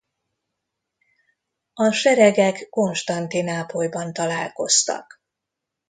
A seregek Konstantinápolyban találkoztak.